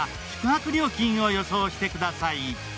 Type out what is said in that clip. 宿泊料金を予想してください。